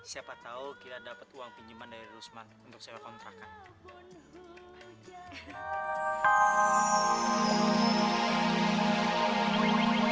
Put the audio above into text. siapa tahu kita dapat uang pinjaman dari rusman untuk sewa kontrakan